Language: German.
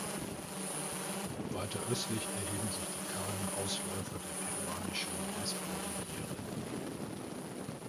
Weiter östlich erheben sich die kargen Ausläufer der peruanischen Westkordillere.